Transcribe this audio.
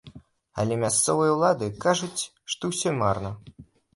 Але мясцовыя ўлады кажуць, што ўсё марна.